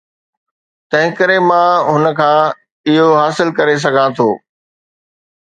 تنهنڪري مان هن کان اهو حاصل ڪري سگهان ٿو.